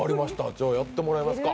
じゃあやってもらいますか。